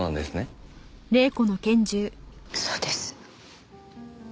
そうです。